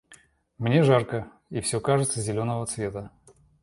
Мне жарко, и всё кажется зелёного цвета.